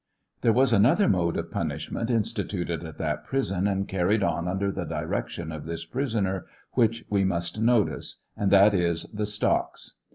There was another mode of punishment instituted at that prison and carried on under the direction of this prisoner which we must notice ; aud that is the stocks.